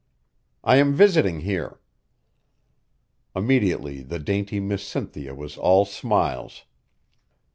I am visiting here." Immediately the dainty Miss Cynthia was all smiles.